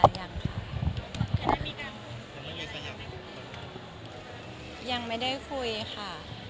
รู้สึกยังไม่ได้คุยค่ะ